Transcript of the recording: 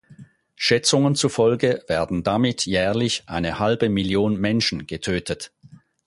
Schätzungen zufolge werden damit jährlich eine halbe Million Menschen getötet.